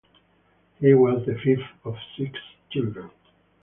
He was the fifth of six children.